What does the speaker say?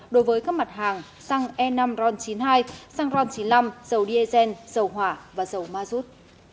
đối với các mặt hàng xăng n năm ron chín mươi hai xăng ron chín mươi năm dầu diezen dầu hỏa và dầu mazut